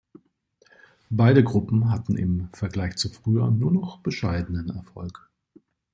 Beide Gruppen hatten im Vergleich zu früher nur noch bescheidenen Erfolg.